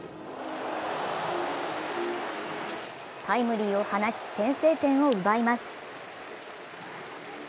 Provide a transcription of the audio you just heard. タイムリーを放ち、先制点を奪います。